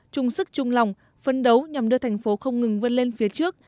trung sức trung lòng phân đấu nhằm đưa thành phố không ngừng vươn lên phía trước